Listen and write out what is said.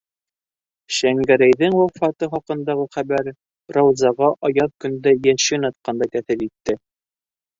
Шәңгәрәйҙең вафаты хаҡындағы хәбәр Раузаға аяҙ көндә йәшен атҡандай тәьҫир итте.